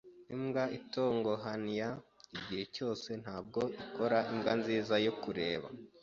Imbwa itonyohania igihe cyose ntabwo ikora imbwa nziza yo kureba.